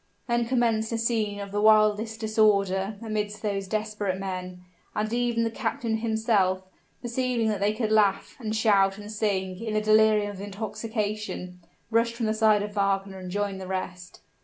Then commenced a scene of the wildest disorder amidst those desperate men; and even the captain himself, perceiving that they could laugh, and shout, and sing, in the delirium of intoxication, rushed from the side of Wagner and joined the rest.